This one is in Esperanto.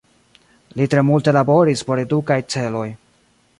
Li tre multe laboris por edukaj celoj.